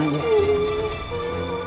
tante dewi lagi sakit